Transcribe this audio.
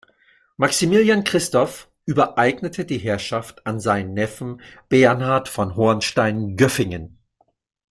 Maximilian Christoph übereignete die Herrschaft an seinen Neffen, Bernhard von Hornstein-Göffingen.